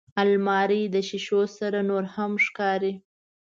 الماري د شیشو سره نورهم ښکاري